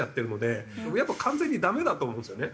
やっぱり完全にダメだと思うんですよね。